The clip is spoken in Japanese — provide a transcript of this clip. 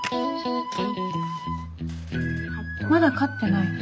まだ勝ってないの？